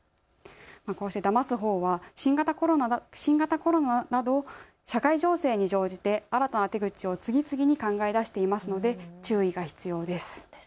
だますほうは新型コロナなど社会情勢に乗じて新たな手口を次々に考え出していますので注意が必要です。